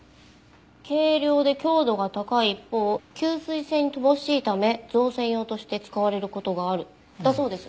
「軽量で強度が高い一方吸水性に乏しいため造船用として使われることがある」だそうです。